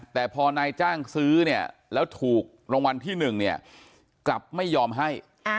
แต่พอนายจ้างซื้อเนี่ยแล้วถูกรางวัลที่๑เนี่ยกลับไม่ยอมให้